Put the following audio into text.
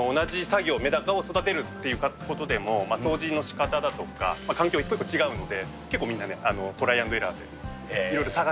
同じ作業、メダカを育てるってことでも、掃除のしかただとか、環境一個一個違うんで、結構みんなで、トライアンドエラーでいろ